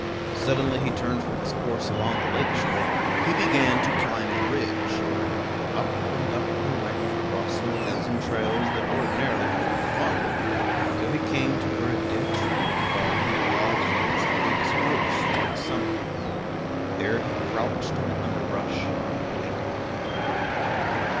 Suddenly he turned from his course along the lake shore; he began to climb the ridge. Up and up he went, crossing a dozen trails that ordinarily he would have followed, till he came to where a dead tree had fallen and lodged against a big spruce, near the summit. There he crouched in the underbrush and waited.